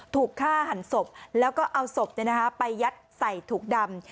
ถูกฆ่าหันศพแล้วก็เอาศพไปยัดใส่ถุงดำ